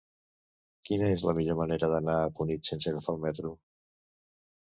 Quina és la millor manera d'anar a Cunit sense agafar el metro?